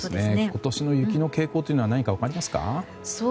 今年の雪の傾向は何か分かりますか？